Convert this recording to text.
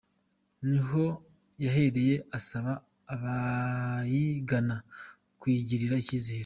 Niho yahereye asaba abayigana kuyigirira icyizere.